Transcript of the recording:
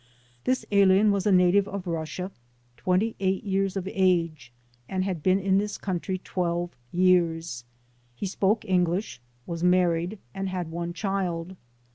This alien was a native of Russia, twenty eight years of age, and had been in this country twelve years. He spoke English, was married and had one child.